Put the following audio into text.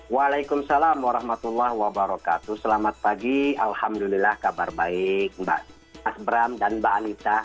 waalaikumsalam warahmatullahi wabarakatuh selamat pagi alhamdulillah kabar baik mbak mas bram dan mbak anissa